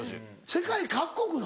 世界各国の？